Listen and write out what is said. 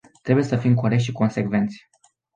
Trebuie să fim corecți și consecvenți.